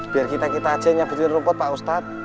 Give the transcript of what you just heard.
biar kita kita aja yang nyebutin rumput pak ustadz